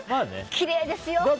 きれいですよ。